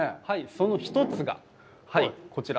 その一つがこちら。